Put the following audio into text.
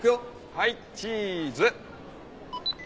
はいチーズ。